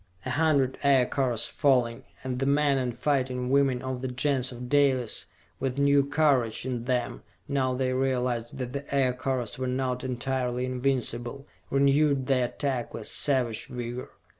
A hundred Aircars falling, and the men and fighting women of the Gens of Dalis, with new courage in them now they realized that the Aircars were not entirely invincible, renewed the attack with savage vigor.